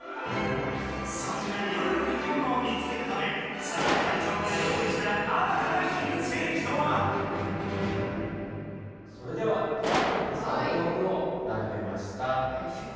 そんな夜の生きものを見つけるためささき隊長がよういした新たな秘密兵器とは⁉それではトラップにつかうどうぐをならべました。